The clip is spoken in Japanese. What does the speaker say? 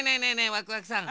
ワクワクさん